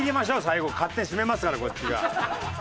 最後勝手に閉めますからこっちが。